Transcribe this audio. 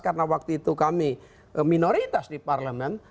karena waktu itu kami minoritas di parlemen